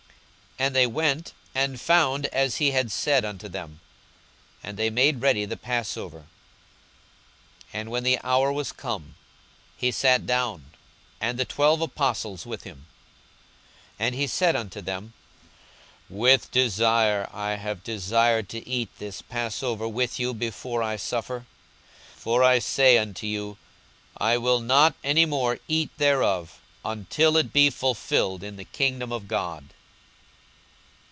42:022:013 And they went, and found as he had said unto them: and they made ready the passover. 42:022:014 And when the hour was come, he sat down, and the twelve apostles with him. 42:022:015 And he said unto them, With desire I have desired to eat this passover with you before I suffer: 42:022:016 For I say unto you, I will not any more eat thereof, until it be fulfilled in the kingdom of God.